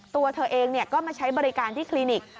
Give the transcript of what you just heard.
ตัวเธอเองก็มาใช้บริการที่คลินิก